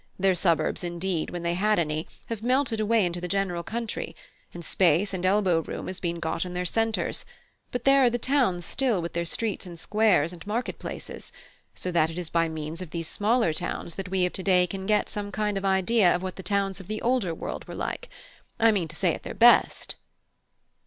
Their suburbs, indeed, when they had any, have melted away into the general country, and space and elbow room has been got in their centres: but there are the towns still with their streets and squares and market places; so that it is by means of these smaller towns that we of to day can get some kind of idea of what the towns of the older world were like; I mean to say at their best."